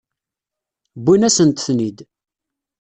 Wwin-asent-ten-id.